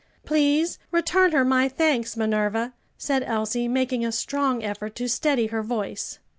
Please return her my thanks, Minerva," said Elsie, making a strong effort to steady her voice.